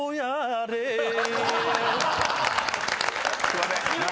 すいません。